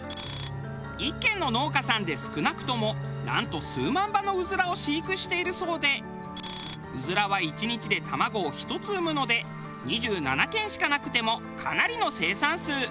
１軒の農家さんで少なくともなんと数万羽のうずらを飼育しているそうでうずらは１日で卵を１つ産むので２７軒しかなくてもかなりの生産数。